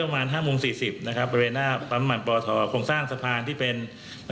มีการตั้งกระทู้